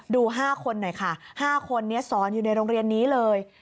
ดู๕คนหน่อยค่ะ๕คนนี้สอนอยู่ในโรงเรียนนี้เลย